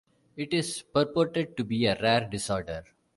It is purported to be a rare disorder.